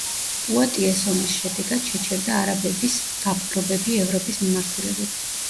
პუატიეს ომის შედეგად შეჩერდა არაბების დაპყრობები ევროპის მიმართულებით.